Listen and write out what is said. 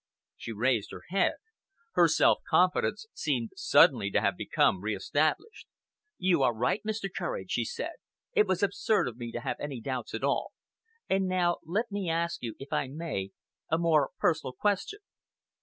She raised her head. Her self confidence seemed suddenly to have become re established. "You are right, Mr. Courage," she said. "It was absurd of me to have any doubts at all. And now let me ask you if I may a more personal question."